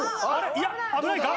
いや危ないか？